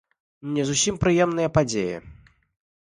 Не зусім прыемныя падзеі.